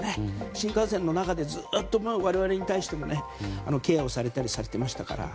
新幹線の中でずっと我々に対してもケアをされたりされていましたから。